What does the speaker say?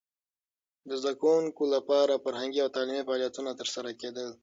د زده کوونکو لپاره فرهنګي او تعلیمي فعالیتونه ترسره کېدل.